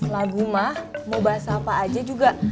lagu mah mau bahasa apa aja juga